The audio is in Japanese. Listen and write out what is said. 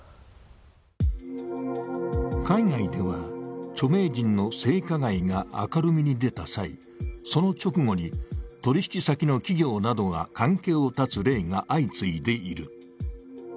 海外では著名人の性加害が明るみに出た際、その直後に取引先の企業などが関係を断つ例が相次いでいる。